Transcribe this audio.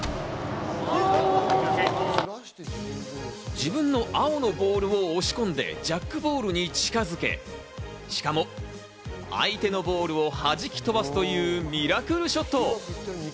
自分の青のボールを押し込んでジャックボールに近づけ、しかも相手のボールを弾き飛ばすというミラクルショット。